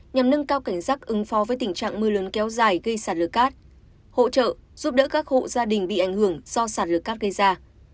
nhằm nâng cao cảnh giác ứng phó với tình trạng mưa lớn kéo dài gây sạt lửa cát hỗ trợ giúp đỡ các hộ gia đình bị ảnh hưởng do sạt lở cát gây ra